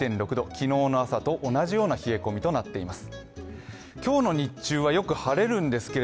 昨日の朝と同じような冷え込みとなっています。